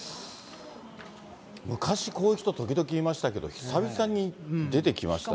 昔、こういう人、時々いましたけど、久々に出てきましたね。